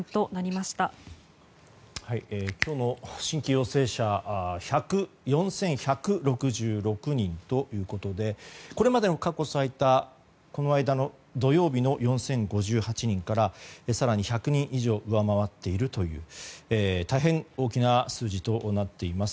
今日の新規陽性者が４１６６人ということでこれまでの過去最多この間の土曜日の４０５８人から更に１００人以上上回っているという大変大きな数字となっています。